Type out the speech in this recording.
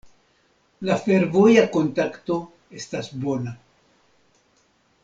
La fervoja kontakto estas bona.